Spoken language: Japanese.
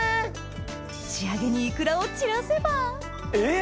仕上げにイクラを散らせばえっ！